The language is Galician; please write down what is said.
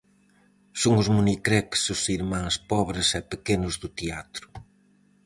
Son os monicreques os irmáns pobres e pequenos do teatro.